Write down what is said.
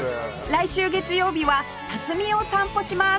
来週月曜日は辰巳を散歩します